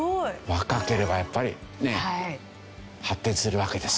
若ければやっぱりね発展するわけです。